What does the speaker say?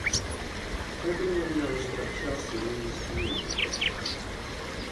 Everyone knows what Chelsea means to me.